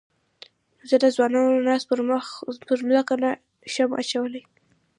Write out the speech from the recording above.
زه د ځوانانو ناز پر مځکه نه شم اچولای.